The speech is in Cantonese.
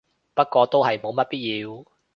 不過都係冇乜必要